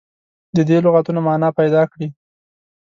د دې لغتونو معنا پیداکړي.